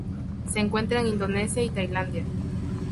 Se encuentra en Indonesia y Tailandia.